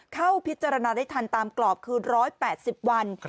เข้าพิจารณาได้ทันตามกรอบคือ๑๘๐วัน